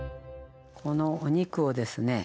このお肉をですね